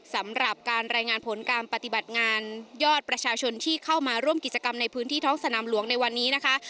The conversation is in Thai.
สำหรับการรายงานผลการปฏิบัติงานยอดประชาชนที่เข้ามาร่วมกิจกรรมในพื้นที่ท้องสนามหลวงในวันนี้นะคะ